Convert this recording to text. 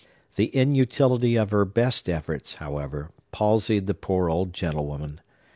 The inutility of her best efforts, however, palsied the poor old gentlewoman.